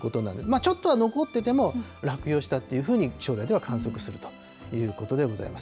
ちょっとは残ってても落葉したっていうふうに、気象台では観測しているということでございます。